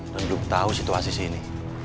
dan belum tahu situasi sini